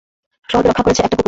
শহরকে রক্ষা করছে একটা কুকুর?